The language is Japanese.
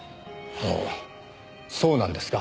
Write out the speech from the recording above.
あのそうなんですか？